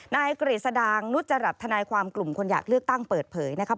กฤษดางนุจรัฐทนายความกลุ่มคนอยากเลือกตั้งเปิดเผยนะครับ